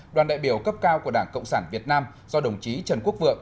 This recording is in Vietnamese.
đoàn đại biểu cấp cao của đảng cộng sản việt nam do đồng chí trần quốc vượng